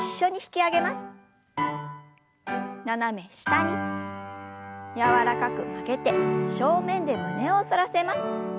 斜め下に柔らかく曲げて正面で胸を反らせます。